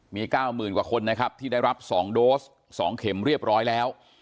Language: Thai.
มีเก้ามื่นกว่าคนนะครับที่ได้รับสองโดสสองเข็มเรียบร้อยแล้ว